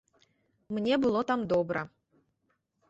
Мне было там добра.